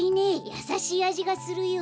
やさしいあじがするよ。